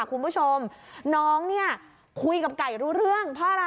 คุณผู้ชมน้องงี้คุยกับไก่รู้เรื่อง